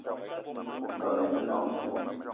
Mbeng i te noong